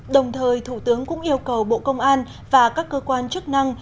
đồng thời thủ tướng cũng yêu cầu bộ công an và các cơ quan chức năng